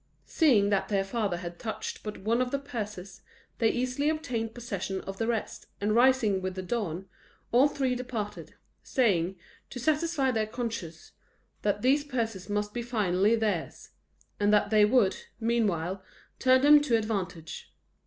Seeing that their father had touched but one of the purses, they easily obtained possession of the rest, and rising with the dawn, all three departed, saying, to satisfy their consciences, that these purses must be finally theirs, and that they would, meanwhile, turn them to advantage.